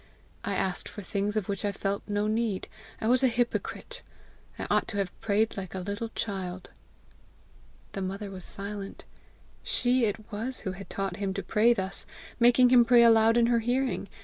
I asked for things of which I felt no need! I was a hypocrite! I ought to have prayed like a little child!" The mother was silent: she it was who had taught him to pray thus making him pray aloud in her hearing!